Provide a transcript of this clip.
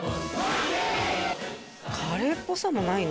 カレーっぽさもないの？